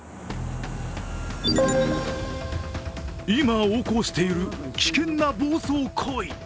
今、横行している危険な暴走行為